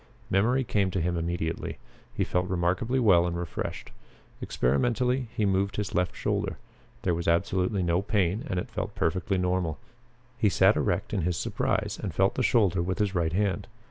Memory came to him immediately. He felt remarkably well and refreshed. Experimentally he moved his left shoulder. There was absolutely no pain and it felt perfectly normal. He sat erect in his surprise and felt the shoulder with his right hand.